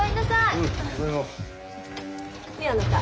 ねえあなた